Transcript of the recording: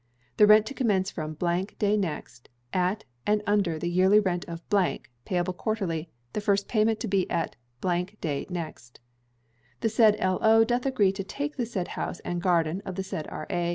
The rent to commence from day next, at and under the yearly rent of , payable quarterly, the first payment to be at day next. The said L.O. doth agree to take the said house (and garden) of the said R.A.